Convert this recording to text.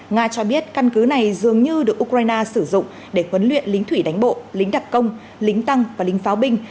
nga cho biết căn cứ này dường như được ukraine sử dụng để huấn luyện lính thủy đánh bộ lính đặc công lính tăng và lính pháo binh